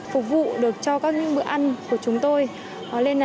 phục vụ được cho các người